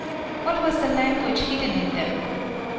What was the language hidden in them?